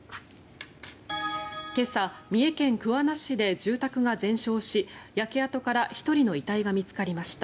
今朝、三重県桑名市で住宅が全焼し焼け跡から１人の遺体が見つかりました。